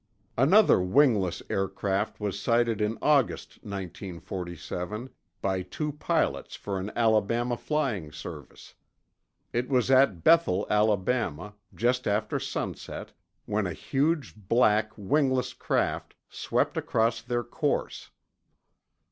Another wingless aircraft was sighted in August 1947, by two pilots for an Alabama flying service. It was at Bethel, Alabama, just after sunset, when a huge black wingless craft swept across their course.